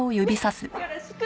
よろしく！